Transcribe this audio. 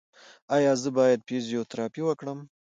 ایا زه باید فزیوتراپي وکړم؟